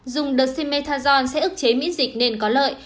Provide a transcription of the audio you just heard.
dùng dexamethasone sẽ ức chế miễn dịch nên có lợi